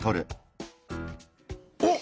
おっ！